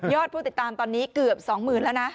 ยอดผู้ติดตามตอนนี้เกือบสองหมื่นแล้วนะ